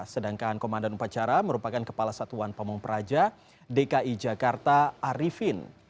sedangkan komandan upacara merupakan kepala satuan pamung praja dki jakarta arifin